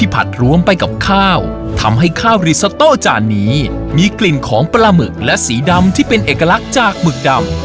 เป็นของปลาหมึกและสีดำที่เป็นเอกลักษณ์จากหมึกดำ